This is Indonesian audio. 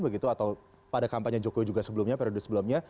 atau pada kampanye jokowi juga sebelumnya